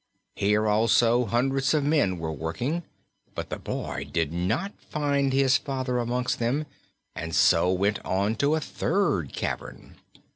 Here also hundreds of men were working, but the boy did not find his father amongst them, and so went on to a third cavern.